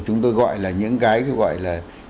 chúng tôi gọi là những cái gọi là